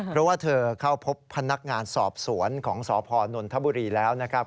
เพราะว่าเธอเข้าพบพนักงานสอบสวนของสพนนทบุรีแล้วนะครับ